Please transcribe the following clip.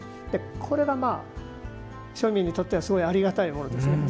これが庶民にとってはありがたいものですね。